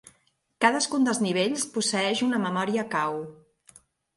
Cadascun dels nivells posseeix una memòria cau.